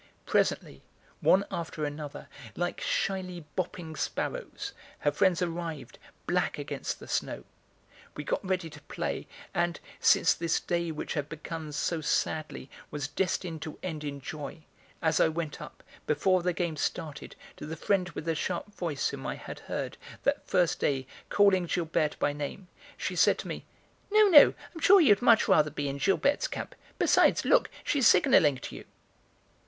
Presently, one after another, like shyly hopping sparrows, her friends arrived, black against the snow. We got ready to play and, since this day which had begun so sadly was destined to end in joy, as I went up, before the game started, to the friend with the sharp voice whom I had heard, that first day, calling Gilberte by name, she said to me: "No, no, I'm sure you'd much rather be in Gilberte's camp; besides, look, she's signalling to you."